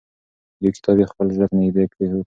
یو کتاب یې خپل زړه ته نږدې کېښود.